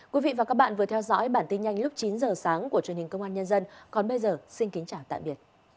cảm ơn các bạn đã theo dõi và hẹn gặp lại